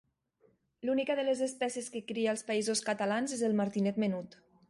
L'única de les espècies que cria als Països Catalans és el martinet menut.